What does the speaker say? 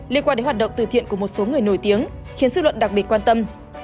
liên quan đến hoạt động từ thiện của một số người nổi tiếng khiến dư luận đặc biệt quan tâm